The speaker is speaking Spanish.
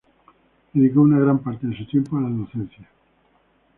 Dedicó una gran parte de su tiempo a la docencia.